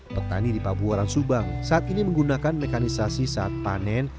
petani di pabuaran subang saat ini menggunakan mekanisasi saat panen